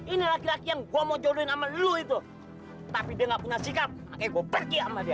ini laki laki yang gue mau jodohin sama dulu itu tapi dia gak punya sikap oke gue pergi sama dia